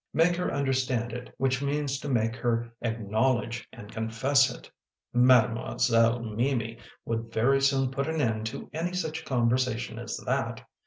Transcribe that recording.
Make her understand it, which means to make her acknowledge and confess it ! Mademoiselle Mimi would very soon put an end to any such conversation as that!